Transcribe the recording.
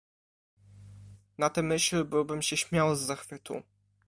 "Na tę myśl byłbym się śmiał z zachwytu."